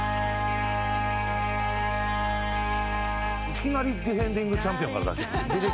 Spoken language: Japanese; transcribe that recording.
いきなりディフェンディングチャンピオンから出して。